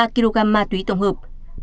ba ba kg ma túy tổng hợp